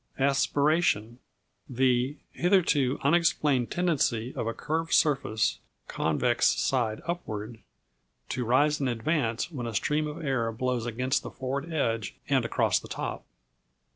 Aspiration The (hitherto) unexplained tendency of a curved surface convex side upward to rise and advance when a stream of air blows against its forward edge and across the top.